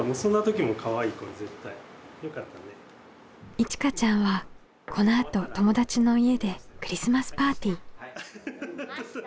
いちかちゃんはこのあと友達の家でクリスマスパーティー。